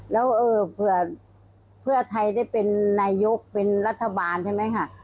แล้วเผื่อเพื่อไทยได้เป็นนายกเป็นรัฐบาลใช่ไหมคะ